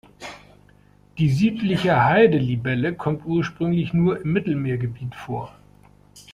Die Südliche Heidelibelle kommt ursprünglich nur im Mittelmeer-Gebiet vor.